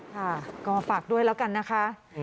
ค่ะก็ฝากด้วยแล้วกันนะคะ